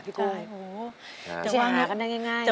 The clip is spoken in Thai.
โอ้โหใช้หากันได้ง่ายนะครับ